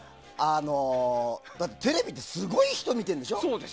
だってテレビってすごい人見てるんでしょ？